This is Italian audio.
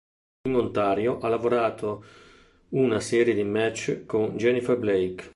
In Ontario ha lavorato una serie di match con Jennifer Blake.